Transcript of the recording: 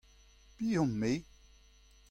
Piv on-me ?